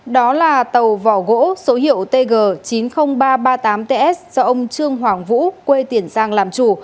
đó là tàu vỏ gỗ số hiệu tg chín mươi nghìn ba trăm ba mươi tám ts do ông trương hoàng vũ quê tiền giang làm chủ